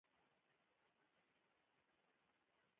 • د واورې اورښت ځینې وخت ډېر دوام کوي.